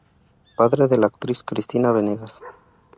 Padre de la actriz Cristina Banegas.